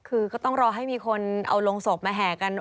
คือก็ต้องรอให้มีคนเอาโรงศพมาแห่กัน